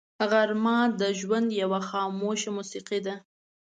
غرمه د ژوند یوه خاموش موسیقي ده